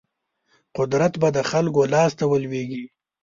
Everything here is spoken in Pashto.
قدرت به د خلکو لاس ته ولویږي.